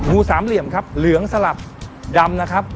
สามเหลี่ยมครับเหลืองสลับดำนะครับ